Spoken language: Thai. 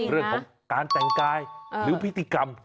เรื่องของการแต่งกายหรือพิธีกรรม